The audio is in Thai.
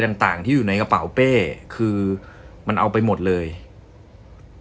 ต่างต่างที่อยู่ในกระเป๋าเป้คือมันเอาไปหมดเลย